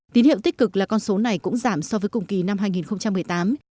tín hiệu tích cực là con số này cũng giảm so với cùng kỳ năm hai nghìn một mươi tám